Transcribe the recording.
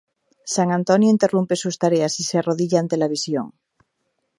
San Antonio interrumpe sus tareas y se arrodilla ante la visión.